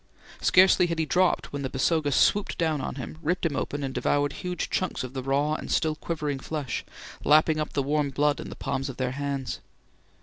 Scarcely had he dropped when the Basoga swooped down on him, ripped him open, and devoured huge chunks of the raw and still quivering flesh, lapping up the warm blood in the palms of their hands.